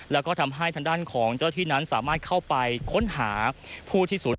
แล้วก็ทำให้ทางด้านของเจ้าที่นั้นสามารถเข้าไปค้นหาผู้ที่ศูนย์